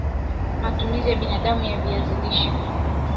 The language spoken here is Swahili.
Matumizi ya binadam Viazi lishe